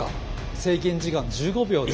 制限時間１５秒で。